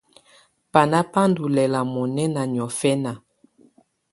Banà bà ndù lɛla munɛna niɔ̀fɛna.